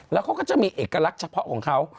แล้วเขาก็จะมีเอกลักษณ์เฉพาะของเขา